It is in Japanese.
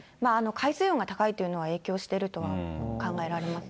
海水温が高いというのは影響してるとは考えられますね。